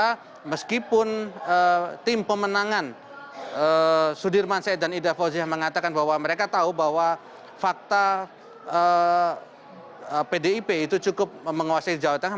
karena meskipun tim pemenangan sudirman said dan ida fauziah mengatakan bahwa mereka tahu bahwa fakta pdip itu cukup menguasai jawa tengah